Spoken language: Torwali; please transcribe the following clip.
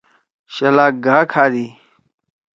شلاک گھا کھادی۔